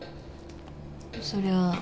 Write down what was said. そりゃあ